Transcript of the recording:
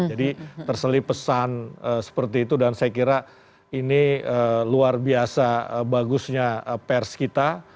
jadi terselipesan seperti itu dan saya kira ini luar biasa bagusnya pers kita